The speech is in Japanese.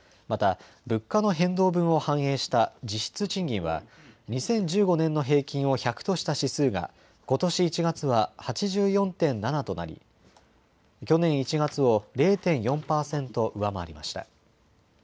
また物価の変動分を反映した実質賃金は２０１５年の平均を１００とした指数がことし１月は８４．７となり去年１月を０．４％上回りました。